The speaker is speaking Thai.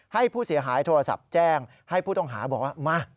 ให้ผู้เสียหายโทรศัพท์แจ้งให้ผู้ต้องหาบอกว่ามา